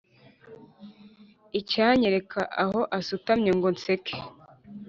Icyanyereka aho asutamye ngo nseke